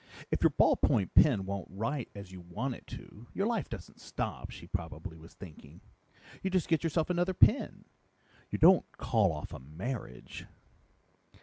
If your ballpoint pen won't write as you want it to, your life doesn't stop, she probably was thinking. You just get yourself another pen You don't call off a marriage....